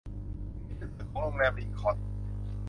นี่เป็นสวนของโรงแรมลินคอล์น